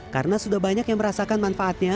karena sudah banyak yang merasakan manfaatnya